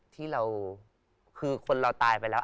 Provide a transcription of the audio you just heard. ที่เราคือคนเราตายไปแล้ว